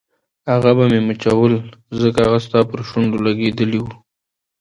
هغه به مې مچول ځکه هغه ستا پر شونډو لګېدلي وو.